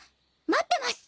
待ってます。